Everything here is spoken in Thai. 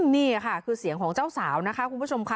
นี่ค่ะคือเสียงของเจ้าสาวนะคะคุณผู้ชมค่ะ